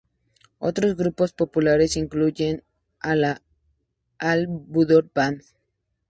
Otros grupos populares incluyen a la Al-Budoor Band.